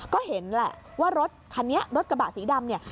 ก็เห็นว่ารถผมรถขับสีดำ